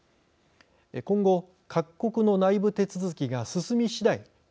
今後、各国の内部手続きが進みしだい